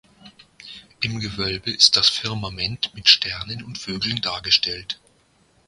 Im Gewölbe ist das Firmament mit Sternen und Vögeln dargestellt.